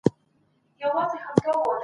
هر نظام چي پیوستون نه لري له منځه ځي.